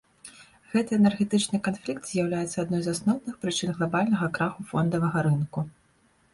Гэты энергетычны канфлікт з'яўляецца адной з асноўных прычын глабальнага краху фондавага рынку.